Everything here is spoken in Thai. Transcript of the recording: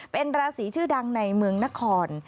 เป็นราศีชื่อดังในเมืองนคร